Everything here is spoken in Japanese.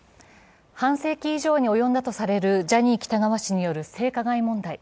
半世紀以上に及んだとされるジャニー喜多川氏による性加害問題。